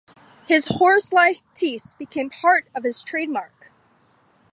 His horse-like teeth became part of his trademark.